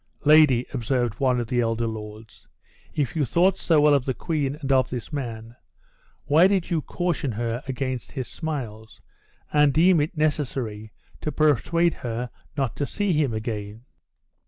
"Lady," observed one of the elder lords, "if you thought so well of the queen and of this man, why did you caution her against his smiles, and deem it necessary to persuade her not to see him again?"